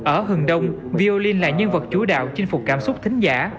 ở hừng đông violin là nhân vật chủ đạo chinh phục cảm xúc thính giả